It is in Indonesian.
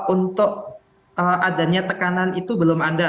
untuk adanya tekanan itu belum ada